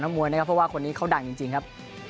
มวยนะครับเพราะว่าคนนี้เขาดังจริงครับ